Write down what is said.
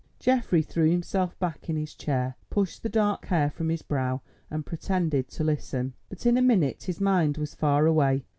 Geoffrey threw himself back in his chair, pushed the dark hair from his brow, and pretended to listen. But in a minute his mind was far away.